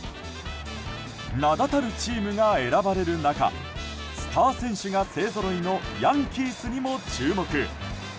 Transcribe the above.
名だたるチームが選ばれる中スター選手が勢ぞろいのヤンキースにも注目。